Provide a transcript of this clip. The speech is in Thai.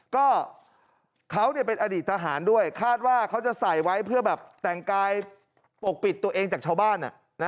ก็เขาเป็นอดีตทหารด้วยคาดว่าเขาจะใส่ไว้เพื่อแบบแต่งกายปกปิดตัวเองจากชาวบ้าน